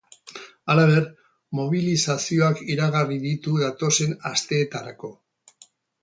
Halaber, mobilizazioak iragarri ditu datozen asteetarako.